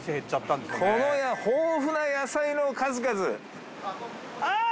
この豊富な野菜の数々あっ！